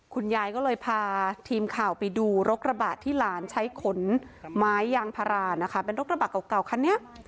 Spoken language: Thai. คุณยายก็เลยพาทีมข่าวไปดูรถกระบะที่หลานใช้ขนไม้ยางพารานะคะเป็นรถกระบะเก่าคันนี้